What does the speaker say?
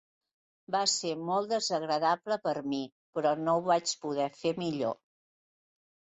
Va ser molt desagradable per a mi, però no ho vaig poder fer millor.